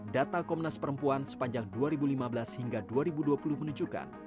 data komnas perempuan sepanjang dua ribu lima belas hingga dua ribu dua puluh menunjukkan